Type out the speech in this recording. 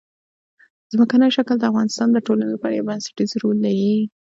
ځمکنی شکل د افغانستان د ټولنې لپاره یو بنسټيز رول لري.